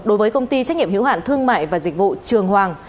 đối với công ty trách nhiệm hiểu hạn thương mại và dịch vụ trường hoàng